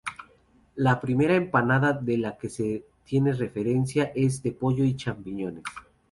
La primera empanada de la que se tiene referencia es de pollo y champiñones.